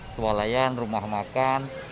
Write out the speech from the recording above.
seolah olah rumah makan